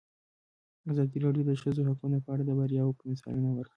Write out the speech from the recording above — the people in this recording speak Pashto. ازادي راډیو د د ښځو حقونه په اړه د بریاوو مثالونه ورکړي.